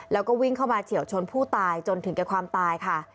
แล้วก็วิ่งเข้ามาเฉียวชนผู้ตายจนถึงแก่ความตายค่ะ